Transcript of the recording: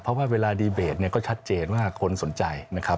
เพราะว่าเวลาดีเบตเนี่ยก็ชัดเจนว่าคนสนใจนะครับ